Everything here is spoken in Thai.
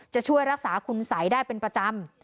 จะช่วยรักษาคุณสัยได้เป็นประจำ